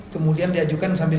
kemudian diajukan sambil